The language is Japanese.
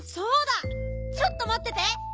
ちょっとまってて。